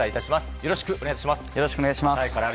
よろしくお願いします。